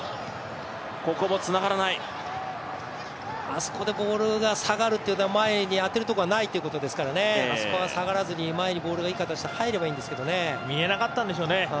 あそこでボールが下がるというのは前にないということですからあそこは下がらずに前にボールがいい形で入ればよかったんですけどね、見えなかったんでしょうね